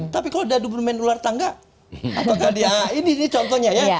tapi kalau dadu bermain ular tangga ini contohnya ya